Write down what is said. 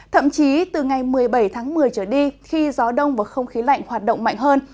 thậm chí từ ngày một mươi bảy tháng một mươi trở đi khi gió đông và không khí lạnh hoạt động mạnh hơn